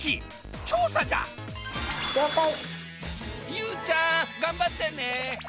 ゆうちゃん頑張ってね。